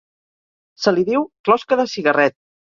Se li diu closca de cigarret.